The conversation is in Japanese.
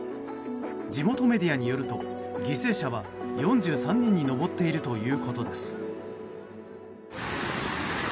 地元メディアによると犠牲者は４３人に上ってるということです。